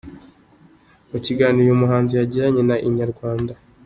Mu kiganiro uyu muhanzi yagiranye na inyarwanda.